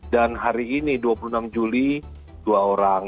dan hari ini dua puluh enam juli dua orang